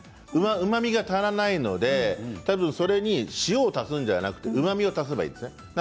うまみが足らないのでなので、それに塩を足すのではなくてうまみを足せばいいんです。